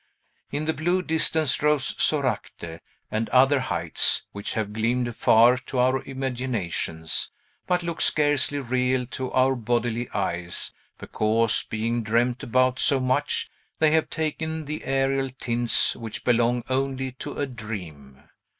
In the blue distance rose Soracte, and other heights, which have gleamed afar, to our imaginations, but look scarcely real to our bodily eyes, because, being dreamed about so much, they have taken the aerial tints which belong only to a dream.